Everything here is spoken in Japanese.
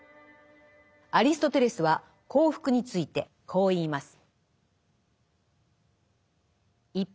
アリストテレスは「幸福」についてこう言います。